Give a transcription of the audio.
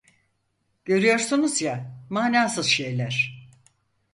Görüyorsunuz ya, manasız şeyler…